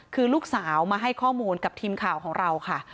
คือลูกสาวมาให้ข้อมูลกับทีมข่าวของเราค่ะ